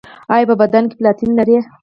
ایا په بدن کې پلاتین لرئ؟